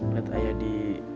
lihat ayah di